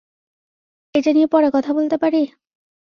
এটা নিয়ে পরে কথা বলতে পারি?